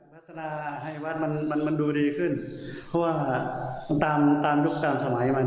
พัฒนาไฮวาสมันดูดีขึ้นเพราะว่าตามลูกตามสมัยมัน